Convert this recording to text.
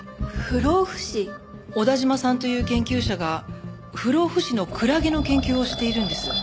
小田嶋さんという研究者が不老不死のクラゲの研究をしているんです。